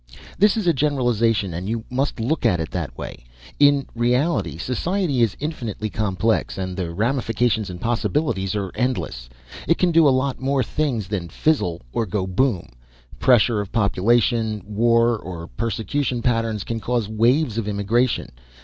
"This is a generalization and you must look at it that way. In reality society is infinitely complex, and the ramifications and possibilities are endless. It can do a lot more things than fizzle or go boom. Pressure of population, war or persecution patterns can cause waves of immigration.